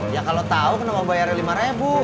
ya kalau tau kenapa bayarin lima rebu